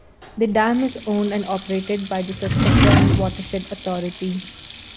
The dam is owned and operated by the Saskatchewan Watershed Authority.